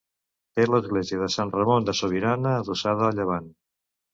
Té l'església de Sant Ramon de Sobirana adossada a llevant.